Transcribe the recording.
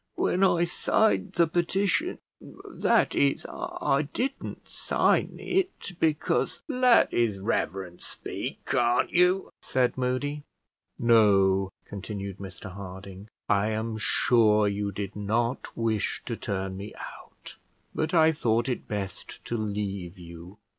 When I signed the petition, that is, I didn't sign it, because " "Let his reverence speak, can't you?" said Moody. "No," continued Mr Harding; "I am sure you did not wish to turn me out; but I thought it best to leave you.